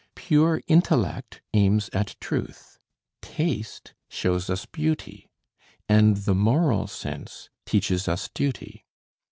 Pure Intellect aims at Truth, Taste shows us Beauty, and the Moral Sense teaches us Duty.